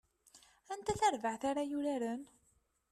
Anta tarbaɛt ara yuraren?